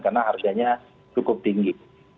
karena harganya cukup tinggi